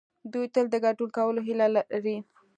دوی تل د ګډون کولو هيله لري.